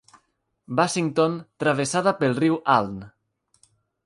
Bassington travessada pel riu Aln.